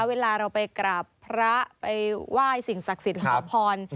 เวลาเราไปกราบพระไปไหว้สิ่งศักดิ์สิทธิ์ขอพร